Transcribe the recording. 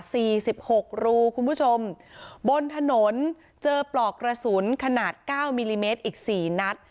สิบหกรูคุณผู้ชมบนถนนเจอปลอกกระสุนขนาดเก้ามิลลิเมตรอีกสี่นัด